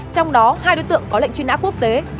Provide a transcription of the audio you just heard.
trong đó hai đối tượng có lệnh truy nã quốc tế